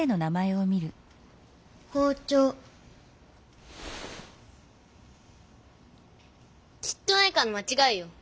校長きっと何かのまちがいよ。